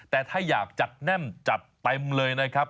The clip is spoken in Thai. แต่ถ้าอยากจัดแน่นจัดเต็มเลยนะครับ